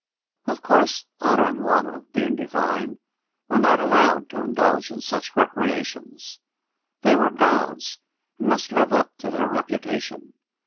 Of course Otter and Juanna, being divine, were not allowed to indulge in such recreations. They were gods and must live up to their reputation.